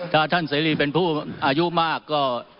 ถ้าท่านเสรีเป็นผู้อายุมากก็